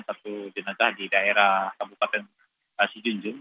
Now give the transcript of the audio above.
satu jenazah di daerah kabupaten si junjung